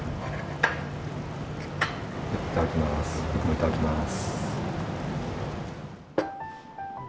いただきます。